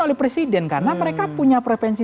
oleh presiden karena mereka punya prevensi